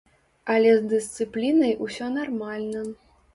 Але з дысцыплінай усё нармальна.